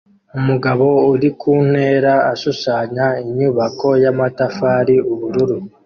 Umugabo uri ku ntera ashushanya inyubako y'amatafari ubururu